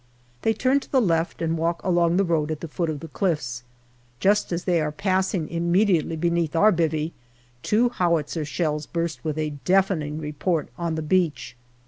They turn to the left and walk along the road at the foot of the cliffs. Just as they are passing imme diately beneath our " bivvy," two howitzer shells burst with a deafening report on the beach.